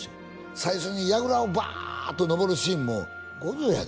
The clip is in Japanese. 最初に櫓をバーッと登るシーンも５０やで？